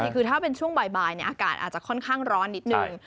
คือถ้าเป็นช่วงบ่ายอากาศอาจจะค่อนข้างร้อนนิดนึง